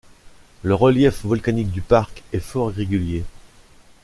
Le relief volcanique du parc est fort irrégulier.